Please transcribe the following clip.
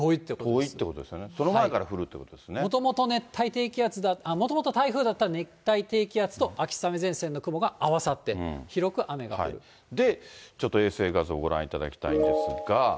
遠いってことですよね、もともと熱帯低気圧、もともと台風だった熱帯低気圧と秋雨前線の雲が合わさって広く雨で、ちょっと衛星画像をご覧いただきたいんですが。